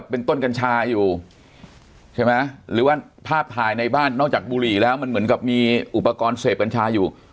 ภาพภายในบ้านนอกจากบุหรี่แล้วมันเหมือนกับมีอุปกรณ์เสพกัญชาอยู่